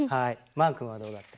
まーくんはどうだった？